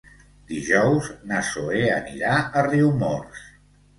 Dijous na Zoè anirà a Riumors.